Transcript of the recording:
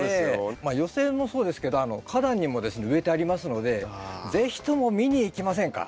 まあ寄せ植えもそうですけど花壇にもですね植えてありますので是非とも見に行きませんか？